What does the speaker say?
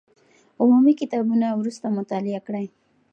عمومي کتابونه وروسته مطالعه کړئ.